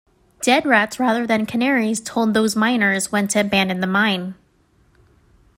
Dead rats rather than canaries told those miners when to abandon the mine.